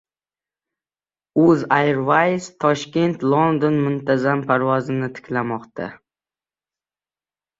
“UzAirways” Toshkent – London muntazam parvozini tiklamoqda